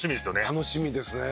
楽しみですね。